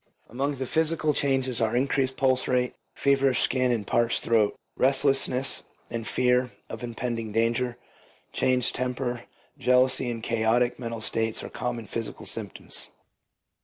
Among the physical changes are increased pulse rate, feverish skin, and parched throat; restlessness and fear of impending clanger, changed temper, jealousy and chaotic mental states are common psychical symptoms.